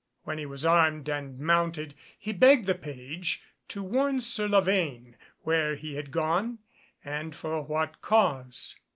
When he was armed and mounted, he begged the page to warn Sir Lavaine where he had gone, and for what cause.